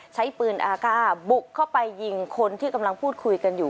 ใช้ปืนอากาศบุกเข้าไปยิงคนที่กำลังพูดคุยกันอยู่